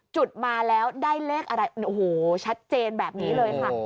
จุดมาแล้วได้เลขอะไรโอ้โหชัดเจนแบบนี้เลยค่ะ